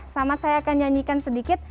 sama saya akan nyanyikan sedikit